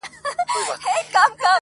او لږ لږ کمزوری کيږي هره ورځ